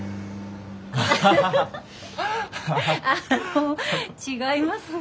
あの違います